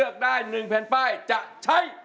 ไม่ใช้